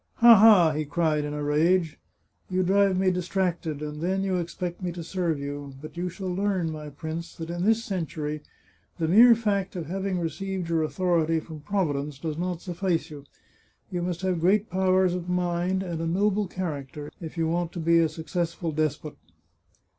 " Ha, ha !" he cried, in a rage. " You drive me distracted, and then you expect me to serve you! But you shall learn, my prince, that in this century, the mere fact of having received your author ity from Providence does not suffice you. You must have great powers of mind, and a noble character, if you want to be a successful despot."